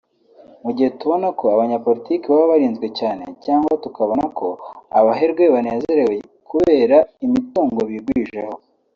Mu gihe tubona ko abanyapolitke baba barinzwe cyane cg tukabona ko abaherwe banezerewe kubera imitungo bigwijeho